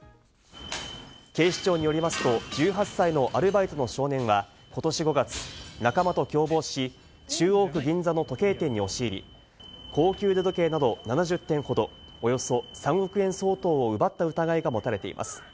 警視庁によりますと、１８歳のアルバイトの少年は、ことし５月、仲間と共謀し、中央区銀座の時計店に押し入り、高級腕時計など７０点ほど、およそ３億円相当を奪った疑いが持たれています。